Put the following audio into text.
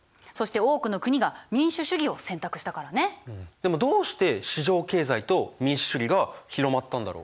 でもどうして市場経済と民主主義が広まったんだろう？